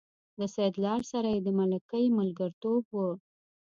له سیدلال سره یې د ملکۍ ملګرتوب و.